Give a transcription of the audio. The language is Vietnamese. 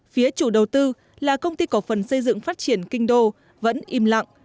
phía chủ đầu tư là công ty cổ phần xây dựng phát triển kinh đô vẫn im lặng